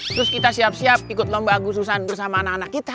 terus kita siap siap ikut lomba agustusan bersama anak anak kita